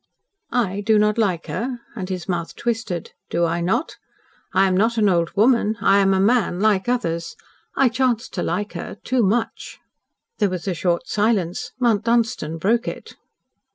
"I do not like her!" And his mouth twisted. "Do I not? I am not an old woman. I am a man like others. I chance to like her too much." There was a short silence. Mount Dunstan broke it.